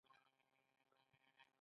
مجاهد د خپل رب بنده وي.